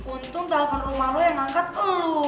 untung telfon rumah lo yang angkat lo